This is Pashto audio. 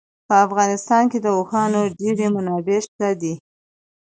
په افغانستان کې د اوښانو ډېرې منابع شته دي.